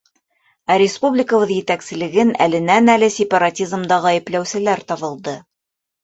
Ә республикабыҙ етәкселеген әленән-әле сепаратизмда ғәйепләүселәр табылды.